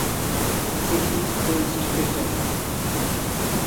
s’écrie Thring stupéfait!